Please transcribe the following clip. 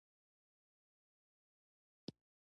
لوی داریوش د ایران د هخامنشي کورنۍ یو مشهور پادشاه دﺉ.